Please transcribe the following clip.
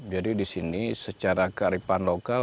jadi di sini secara kearifan lokal